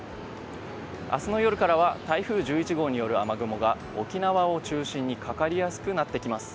明日の夜からは台風１１号による雨雲が沖縄を中心にかかりやすくなってきます。